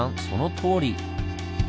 そのとおり！